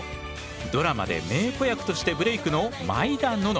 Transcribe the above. ドラマで名子役としてブレークの毎田暖乃。